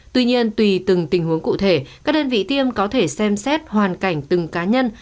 tuy nhiên tùy từng tình huống cụ thể các đơn vị tiêm có thể xem xét hoàn cảnh từng cá nhân